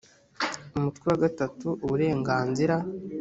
umutwe wa gatatu uburenganzira